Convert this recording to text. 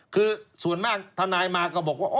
คือส่วนมากทนายมาก็บอกว่า